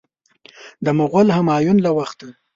د مغول همایون له وخته.